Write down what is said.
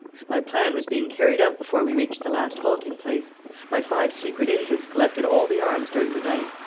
"My plan was being carried out before we reached the last halting place. My five secret agents collected all the arms during the night.